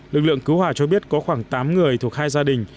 lực lượng cứu hỏa cho biết có khoảng tám người thuộc hai gia đình